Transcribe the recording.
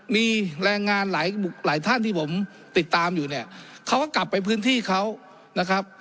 มีแรงงานหลายท่านที่ผมติดตามอยู่เนี่ยเขาก็กลับไปพื้นที่เขานะครับ